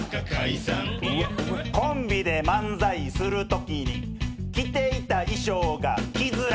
コンビで漫才するときに着ていた衣装が着づらい。